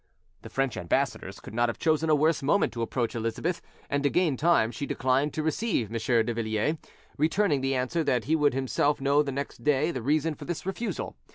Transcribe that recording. The French ambassadors could not have chosen a worse moment to approach Elizabeth; and to gain time she declined to receive M. de Villiers, returning the answer that he would himself know next day the reason for this refusal.